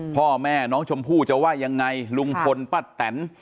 พ่อแม่น้องชมพู่จะว่ายังไงลุงพลป้าแตน